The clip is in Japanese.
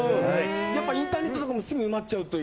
インターネットとかもすぐ埋まっちゃうという？